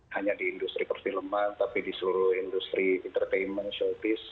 hanya di industri perfilman tapi di seluruh industri entertainment showbiz